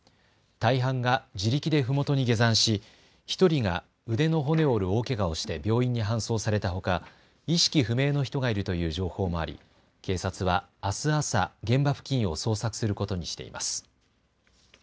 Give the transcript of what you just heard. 大半が自力でふもとに下山し１人が腕の骨を折る大けがをして病院に搬送されたほか意識不明の人がいるという情報もあり、警察は、あす朝、現場付近を捜索することにしています。